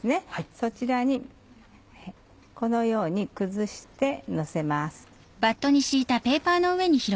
そちらにこのように崩してのせます。